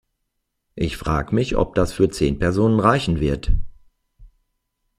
Ich frag' mich, ob das für zehn Personen reichen wird!?